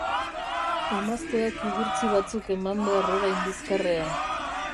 Emazteak igurtzi batzuk eman behar orain bizkarrean.